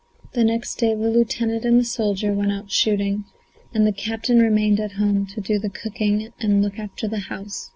The next day the lieutenant and the soldier went out shooting and the captain remained at home to do the cooking and look after the house.